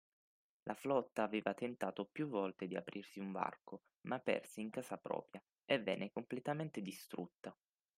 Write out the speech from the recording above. La flotta aveva tentato più volte di aprirsi un varco, ma perse in casa propria, e venne completamente distrutta.